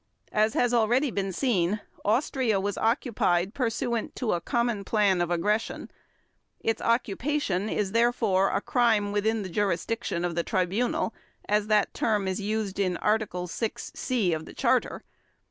As has already been seen, Austria was occupied pursuant to a common plan of aggression. Its occupation is, therefore, a "crime within the jurisdiction of the Tribunal", as that term is used in Article 6 (c) of the Charter.